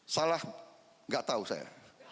salah enggak tahu saya